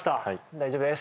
大丈夫です